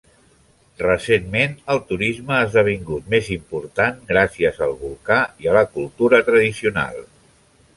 Recentment, el turisme ha esdevingut més importants, gràcies al volcà i a la cultura tradicional.